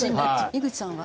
井口さんは？